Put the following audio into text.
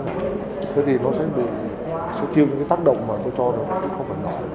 thế thì nó sẽ chiêm những cái tác động mà tôi cho nó cũng không phải nổi